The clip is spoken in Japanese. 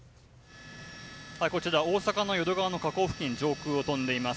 こちら大阪淀川の河口付近の上空を飛んでいます。